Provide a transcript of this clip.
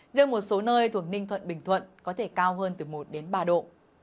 riêng một số nơi thuộc ninh thuận bình thuận có thể cao hơn từ một đến ba độ